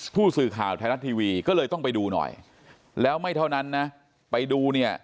ผู้สื่อข่าวไทยรัฐทีวีก็เลยต้องไปดูหน่อยแล้วไม่เท่านั้นนะไปดูเนี่ย